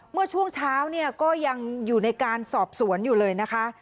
เมื่อช่วงเช้าเนี่ยก็ยังอยู่ในการสอบสวนอยู่เลยนะคะ